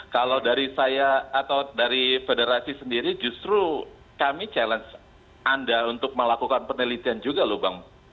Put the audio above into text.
kalau dari saya atau dari federasi sendiri justru kami challenge anda untuk melakukan penelitian juga loh bang